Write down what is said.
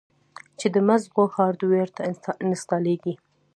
چې د مزغو هارډوئېر ته انسټاليږي